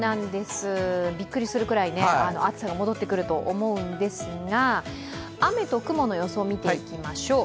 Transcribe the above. びっくりするぐらい暑さが戻ってくると思うんですが、雨と雲の予想を見ていきましょう。